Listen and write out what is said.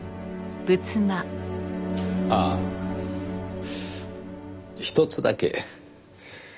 ああひとつだけ。